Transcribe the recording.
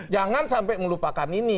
jangan sampai melupakan ini